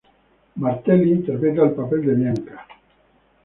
Martelli interpreta el papel de Bianca.